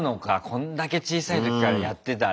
こんだけ小さい時からやってたら。